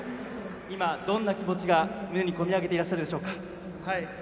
今どんな気持ちが胸に込み上げていらっしゃるでしょうか？